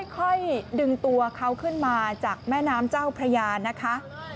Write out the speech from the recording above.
ค่อยดึงตัวเขาขึ้นมาจากแม่น้ำเจ้าพระยานะคะ